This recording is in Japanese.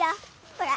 ほら。